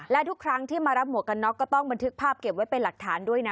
และทุกครั้งที่มารับหมวกกันน็อกก็ต้องบันทึกภาพเก็บไว้เป็นหลักฐานด้วยนะ